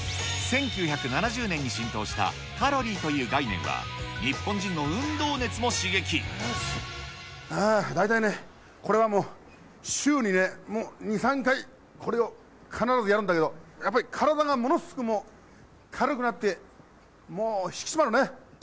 １９７０年に浸透したカロリーという概念は、ああ、大体ね、これはもう、週に２、３回、これを必ずやるんだけど、やっぱり体がものすごくもう、軽くなってもう引き締まるね。